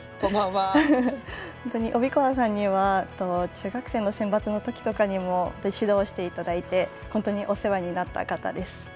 帯川さんには中学生の選抜のときとかにも指導していただいて本当にお世話になった方です。